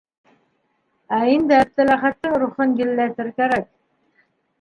Ә инде Әптеләхәттең рухын елләтер кәрәк.